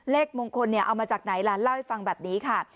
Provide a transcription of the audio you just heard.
เลขมงคลเอามาจากไหนหลานเล่าให้ฟังแบบนี้ค่ะ